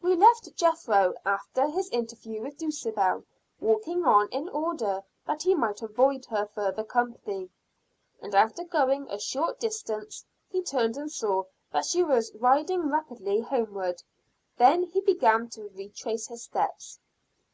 We left Jethro, after his interview with Dulcibel, walking on in order that he might avoid her further company. After going a short distance he turned and saw that she was riding rapidly homeward. Then he began to retrace his steps.